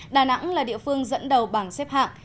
đà nẵng là địa phương dẫn đầu bảng xếp hạng